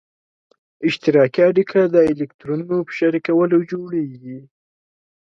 اشتراکي اړیکه د الکترونونو په شریکولو جوړیږي.